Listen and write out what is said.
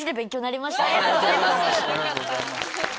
ありがとうございます！